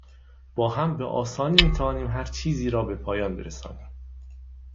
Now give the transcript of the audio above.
با هم، به آسانی می توانیم هرچیزی را به پایان برسانیم.